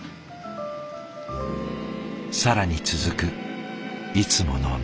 更に続くいつもの流れ。